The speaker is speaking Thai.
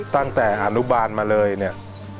ตั้งแต่อนุบาลมาเลยเนี่ย